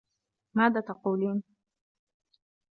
ماذا تقولين؟